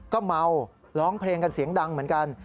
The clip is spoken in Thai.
ก็เมาร้องเพลงกันเสียงดังเหมือนกัน